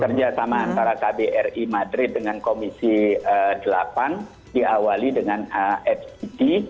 kerjasama antara kbri madrid dengan komisi delapan diawali dengan fgd